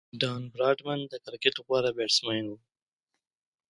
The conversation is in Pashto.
ډان براډمن د کرکټ غوره بیټسمېن وو.